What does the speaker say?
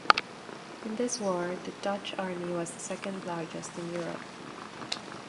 In this war the Dutch army was the second largest in Europe.